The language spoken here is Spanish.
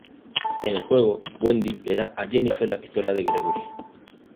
En el juego, Wendy le da a Jennifer la pistola de Gregory.